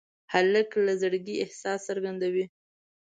هلک له زړګي احساس څرګندوي.